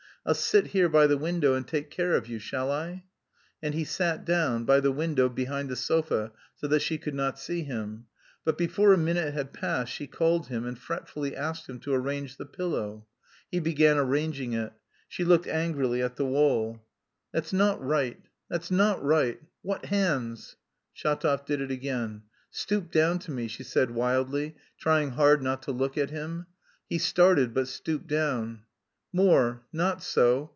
"I'll sit here by the window and take care of you, shall I?" And he sat down, by the window behind the sofa so that she could not see him. But before a minute had passed she called him and fretfully asked him to arrange the pillow. He began arranging it. She looked angrily at the wall. "That's not right, that's not right.... What hands!" Shatov did it again. "Stoop down to me," she said wildly, trying hard not to look at him. He started but stooped down. "More... not so...